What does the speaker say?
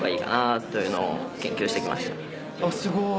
すごーい。